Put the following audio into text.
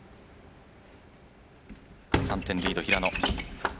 ３点リード平野。